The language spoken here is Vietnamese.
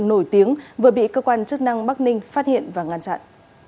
nổi tiếng vừa bị cơ quan chức năng bắc ninh phát hiện và ngăn chặn